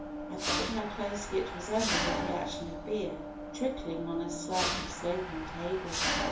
I thought how closely it resembled the action of beer trickling on a slightly sloping table.